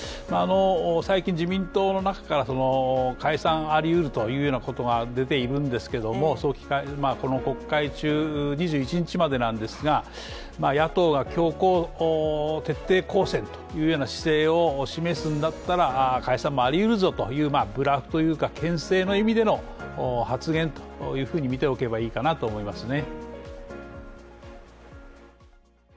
最近、自民党の中から、解散ありうるというようなことが出てるんですけどこの国会中、２１日までなんですが野党が徹底抗戦という姿勢を示すんだったら解散もありうるぞというブラフというか、けん制の意味での発言とみておくといいかなと思いますね。